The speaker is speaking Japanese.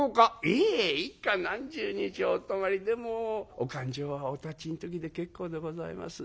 「いえ幾日何十日お泊まりでもお勘定はおたちの時で結構でございます」。